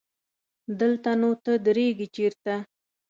دلته نو ته درېږې چېرته؟